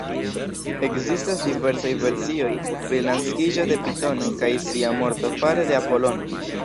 Ekzistas diversaj versioj pri la naskiĝo de Pitono kaj sia morto fare de Apolono.